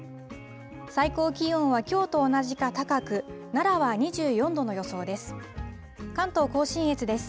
最高気温はきょうと同じか高く、奈良は２４度の予想です。